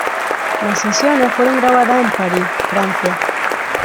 Las sesiones fueron grabadas en París, Francia.